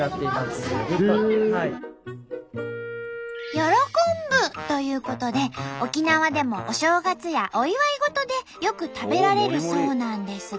「よろこんぶ」ということで沖縄でもお正月やお祝い事でよく食べられるそうなんですが。